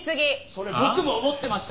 それ僕も思ってました！